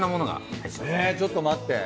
えっちょっと待って。